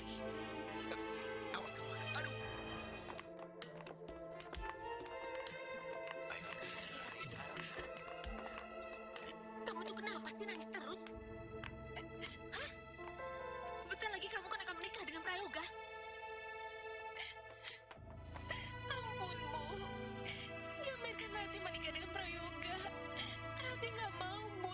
pokoknya ibu tidak mau dengar alasan lagi apapun dari kamu